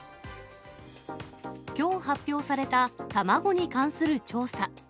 きょう発表された卵に関する調査。